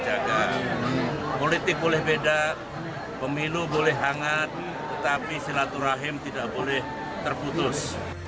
jaga politik boleh beda pemilu boleh hangat tetapi silaturahim tidak boleh terputus